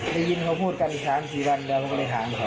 ได้ยินเขาพูดกันอีกครั้งอีกสี่วันเราก็เลยถามเขา